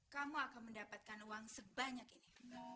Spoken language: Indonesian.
kamu akan mendapatkan uang sebanyak ini